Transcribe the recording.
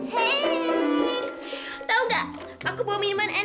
hei tau gak aku bawa minuman es